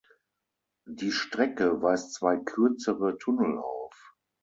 Die Strecke weist zwei kürzere Tunnel auf.